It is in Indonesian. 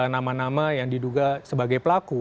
nama nama yang diduga sebagai pelaku